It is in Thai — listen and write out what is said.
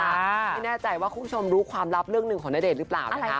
ไม่แน่ใจว่าคุณผู้ชมรู้ความลับเรื่องหนึ่งของณเดชน์หรือเปล่านะคะ